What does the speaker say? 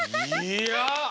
いや！